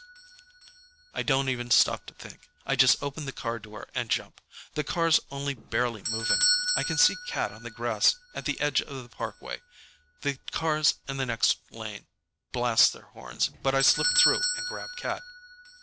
I don't even stop to think. I just open the car door and jump. The car's only barely moving. I can see Cat on the grass at the edge of the parkway. The cars in the next lane blast their horns, but I slip through and grab Cat.